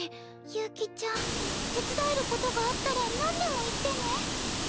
悠希ちゃん手伝えることがあったらなんでも言ってね。